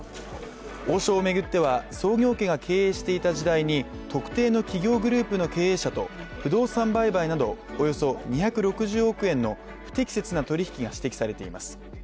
王将を巡っては創業家が経営していた時代に特定の企業グループの経営者と不動産売買など、およそ２６０億円の不適切な取引が指摘されています。